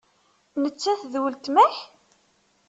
Nettat d weltma-k?